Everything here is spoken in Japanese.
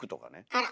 あら！